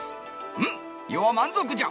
「うん余は満足じゃ。